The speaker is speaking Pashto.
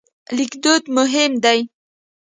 لیکدود مهم دی.